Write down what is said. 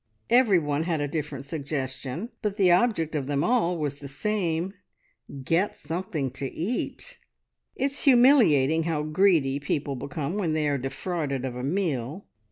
Every one had a different suggestion, but the object of them all was the same get something to eat. It's humiliating how greedy people become when they are defrauded of a meal!